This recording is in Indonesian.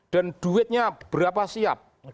dan duitnya berapa siap